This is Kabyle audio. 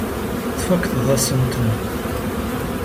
Tfakkeḍ-asen-ten.